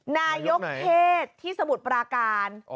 นายกเทศที่สมุทรปราการ